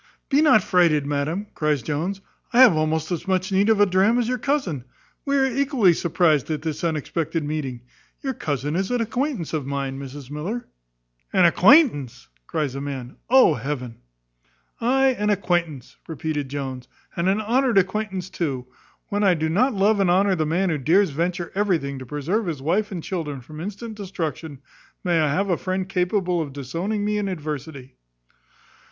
"Be not frighted, madam," cries Jones, "I have almost as much need of a dram as your cousin. We are equally surprized at this unexpected meeting. Your cousin is an acquaintance of mine, Mrs Miller." "An acquaintance!" cries the man. "Oh, heaven!" "Ay, an acquaintance," repeated Jones, "and an honoured acquaintance too. When I do not love and honour the man who dares venture everything to preserve his wife and children from instant destruction, may I have a friend capable of disowning me in adversity!"